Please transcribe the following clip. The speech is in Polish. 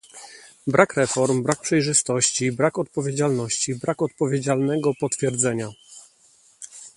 brak reform, brak przejrzystości, brak odpowiedzialności, brak odpowiedzialnego potwierdzenia